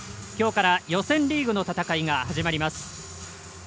きょうから予選リーグの戦いが始まります。